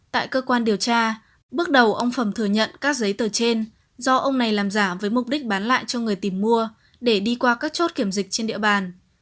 tại cơ quan điều tra bước đầu ông phẩm thừa nhận các giấy tờ trên do ông này làm giả với mục đích bán lại cho người tìm mua để đi qua các chốt kiểm dịch trên địa bàn